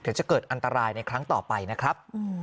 จะเกิดอันตรายในครั้งต่อไปนะครับ